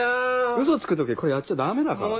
ウソつく時はこれやっちゃダメだから。